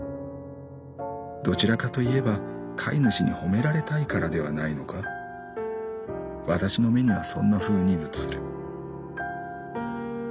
どちらかといえば飼い主に褒められたいからではないのか。わたしの目にはそんなふうに映る」。